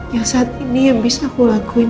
yang saat ini yang bisa aku lakuin